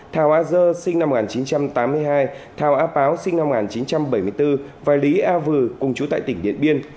thảo a dơ sinh năm một nghìn chín trăm tám mươi hai thào a páo sinh năm một nghìn chín trăm bảy mươi bốn và lý a vừ cùng chú tại tỉnh điện biên